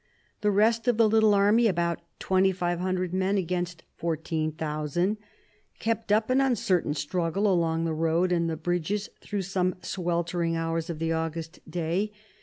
The rest of the little army, about 2500 men against 14,000, kept up an uncertain struggle along the road and the bridges through some sweltering hours of the August day.